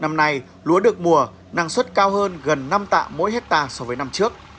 năm nay lúa được mùa năng suất cao hơn gần năm tạ mỗi hectare so với năm trước